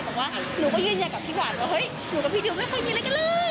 บอกว่าหนูก็ยืนยันกับพี่หวานว่าเฮ้ยหนูกับพี่ดิวไม่เคยมีอะไรกันเลย